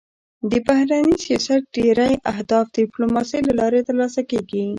د بهرني سیاست ډېری اهداف د ډيپلوماسی له لارې تر لاسه کېږي.